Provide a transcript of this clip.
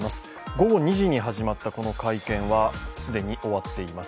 午後２時に始まったこの会見は、既に終わっています。